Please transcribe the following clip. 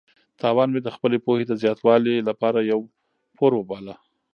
تاوان مې د خپلې پوهې د زیاتوالي لپاره یو پور وباله.